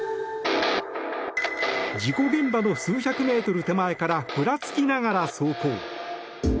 事故現場の数百メートル手前からふらつきながら走行。